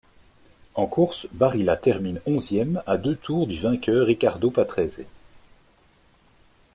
En course, Barilla termine onzième, à deux tours du vainqueur Riccardo Patrese.